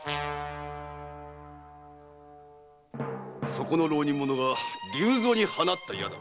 そこの浪人者が竜蔵に放った矢だ。